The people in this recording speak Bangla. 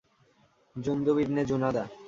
জুনদুব ইবনে জুনাদা।